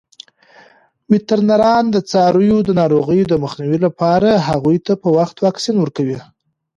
وترنران د څارویو د ناروغیو د مخنیوي لپاره هغوی ته په وخت واکسین ورکوي.